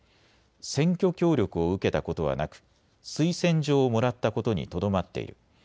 選挙協力を受けたことはなく推薦状をもらったことにとどまっている。